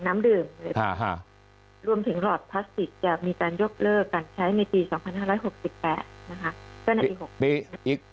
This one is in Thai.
น้ำดื่มรวมถึงรอดพลาสติกจะมีการยกเลิกการใช้ในปี๒๕๖๘นะฮะ